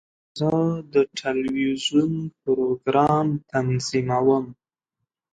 زه د ټلویزیون پروګرام تنظیموم.